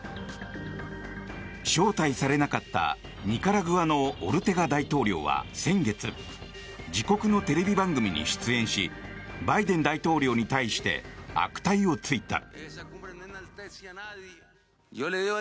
招待されなかったニカラグアのオルテガ大統領は先月、自国のテレビ番組に出演しバイデン大統領に対して悪態をついた。